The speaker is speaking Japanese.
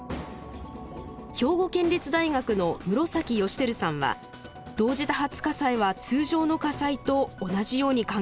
兵庫県立大学の室崎益輝さんは同時多発火災は通常の火災と同じように考えないでほしいと言います。